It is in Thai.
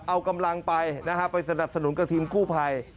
เอากำลังไปนะฮะไปสนับสนุนกับทีมกู้ภัย